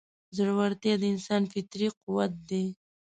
زړهورتیا د انسان فطري قوت دی.